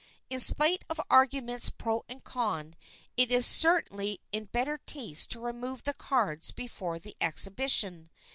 In spite of arguments pro and con, it is certainly in better taste to remove the cards before the exhibition.